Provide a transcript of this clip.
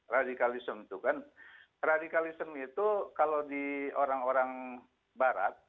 radikalisme itu kan radikalisme itu kalau di orang orang barat